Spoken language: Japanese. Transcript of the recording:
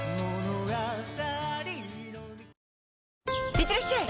いってらっしゃい！